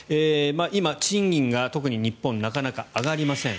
今、賃金が特に日本なかなか上がりません。